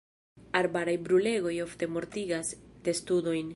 Arbaraj brulegoj ofte mortigas testudojn.